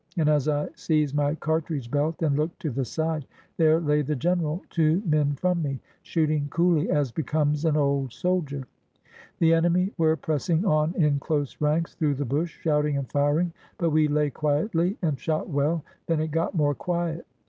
and as I seized my cartridge belt and looked to the side, there lay the general two men from me, shooting coolly as becomes an old soldier. The enemy were pressing on in close ranks through the bush, shouting and firing. But we lay quietly and shot well. Then it got more quiet.